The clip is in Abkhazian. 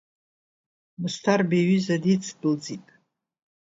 Мысҭарбеи иҩыза дицдәылҵит.